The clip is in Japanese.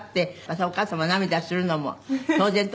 「それはお母様が涙するのも当然と」